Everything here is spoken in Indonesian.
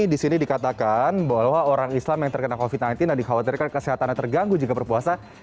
di sini dikatakan bahwa orang islam yang terkena covid sembilan belas dan dikhawatirkan kesehatannya terganggu jika berpuasa